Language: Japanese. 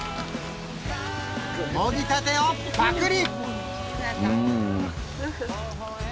もぎたてをパクリ！